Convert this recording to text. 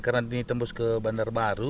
karena ini tembus ke bandar baru